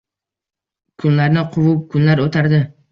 Kunlarni quvib kunlar o‘tardi.